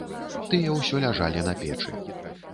Тыя ўсё ляжалі на печы.